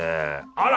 あら。